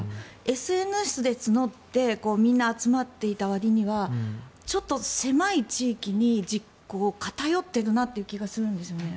ＳＮＳで募ってみんな集まっていたわりにはちょっと狭い地域に実行が偏ってるなという気がするんですよね。